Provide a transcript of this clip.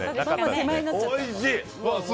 おいしい。